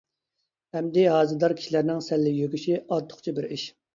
ئەمدى ھازىدار كىشىلەرنىڭ سەللە يۆگىشى ئارتۇقچە بىر ئىش.